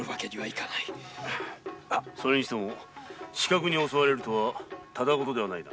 それにしても刺客に襲われるとはただ事ではないな。